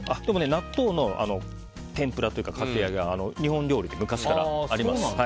納豆の天ぷらというかかき揚げは日本料理で昔からあります。